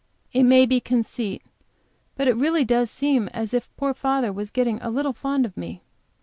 It may be my conceit, but it really does seem as if poor father was getting a little fond of me.